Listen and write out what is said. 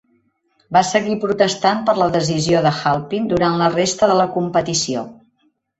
Va seguir protestant per la decisió de Halpin durant la resta de la competició.